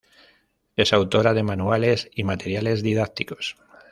Es autora de manuales y materiales didácticos.